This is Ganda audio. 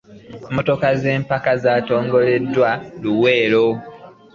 Emotoka z'empaka zatomereganide e'Luwero.